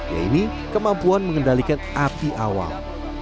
yaitu kemampuan mengendalikan api awam